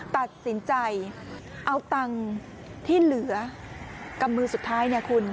ตัดสินใจเอาตังค์ที่เหลือกำมือสุดท้าย